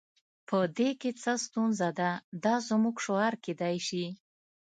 په دې کې څه ستونزه ده دا زموږ شعار کیدای شي